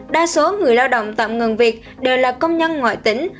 đa số người lao động tạm ngừng việc đều là công nhân ngoại tỉnh